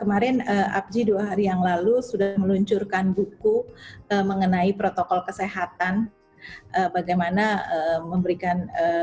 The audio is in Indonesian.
kemarin abji dua hari yang lalu sudah meluncurkan buku mengenai protokol kesehatan bagaimana memberikan